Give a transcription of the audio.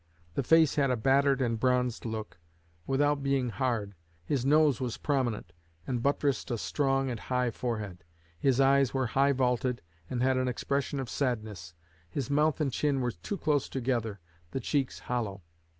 The face had a battered and bronzed look, without being hard. His nose was prominent, and buttressed a strong and high forehead. His eyes were high vaulted, and had an expression of sadness; his mouth and chin were too close together, the cheeks hollow.